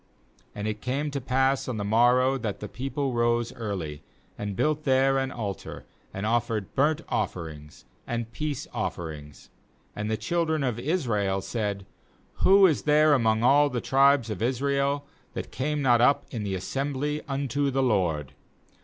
4And.it came to pass on the morrow that the people rose early, and built there an altar, and offered burnt offerings and Eeace offerings. 5And the children of srael^said: 'Who is there among all the tribes of Israel that came not up in the assembly unto the LORD?'